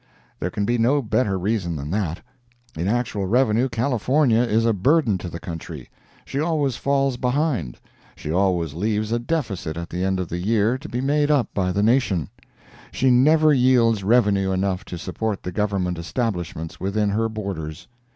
There can be no better reason than that. In actual revenue California is a burden to the country; she always falls behind; she always leaves a deficit at the end of the year to be made up by the nation; she never yields revenue enough to support the Government establishments within her borders.